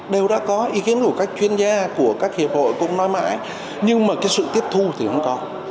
đều đã có ý kiến của các chuyên gia của các hiệp hội cũng nói mãi nhưng mà cái sự tiếp thu thì không có